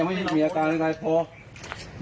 ยนต์มีดแบบนี้ไปไปหาหมอ